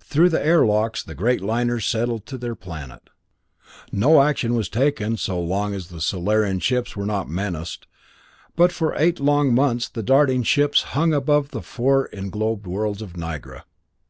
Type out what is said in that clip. Through the airlocks the great liners settled to their planet. No action was taken so long as the Solarian ships were not menaced, but for eight long months the darting ships hung above the four englobed worlds of Nigra.